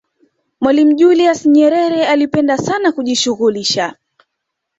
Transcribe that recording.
mwalimu julius nyerere alipenda sana kujishughulisha